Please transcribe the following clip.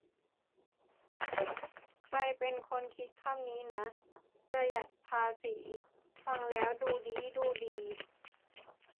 ใครเป็นคนคิดคำนี้นะ "ประหยัดภาษี" ฟังแล้วดูดี๊ดูดี